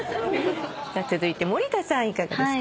続いて森田さんいかがですか？